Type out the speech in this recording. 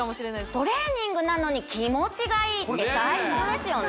トレーニングなのに気持ちがいいって最高ですよね